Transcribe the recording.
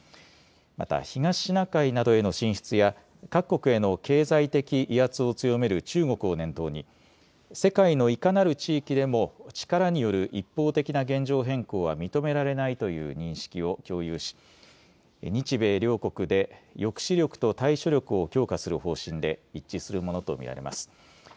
また東シナ海などへの進出や各国への経済的威圧を強める中国を念頭に世界のいかなる地域でも力による一方的な現状変更は認められないという認識を共有し日米両国で抑止力と対処力を強化する方針で一致するものと見られます。